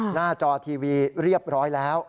หน้าจอทีวีเรียบร้อยแล้ว